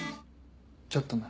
ちょっとな。